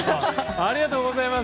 ありがとうございます。